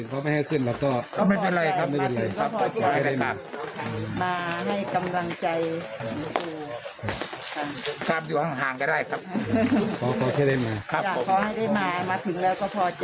ขอแค่ได้มามาถึงแล้วก็โทษใจแล้ว